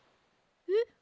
えっ？